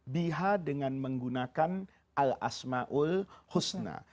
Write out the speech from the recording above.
biha dengan menggunakan al asma'ul husna